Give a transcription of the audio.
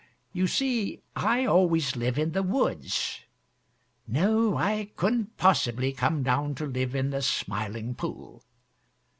You see, I always live in the woods. No, I couldn't possibly come down to live in the Smiling Pool.